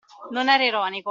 Non era ironico.